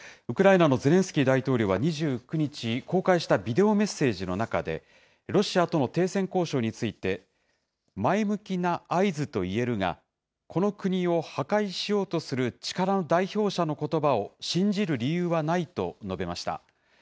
ウクライナのゼレンスキー大統領は２９日、公開したビデオメッセージの中で、ロシアとの停戦交渉について、前向きな合図といえるが、この国を破壊しようとする力の代表者のことばを信じる理由はないと述べました。